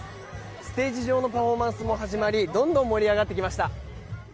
ステージ上のパフォーマンスも始まりどんどん盛り上がってきました。